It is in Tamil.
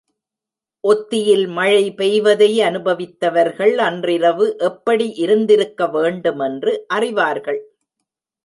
ஒத்தியில் மழை பெய்வதை அனுபவித்தவர்கள் அன்றிரவு எப்படி இருந்திருக்க வேண்டுமென்று அறிவார்கள்.